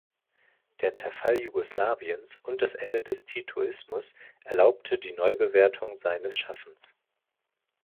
Der Zerfall Jugoslawiens und das Ende des Titoismus erlaubte die Neubewertung seines Schaffens.